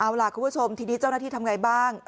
เอาล่ะคุณผู้ชมทีนี้เจ้าหน้าที่ทำไงบ้าง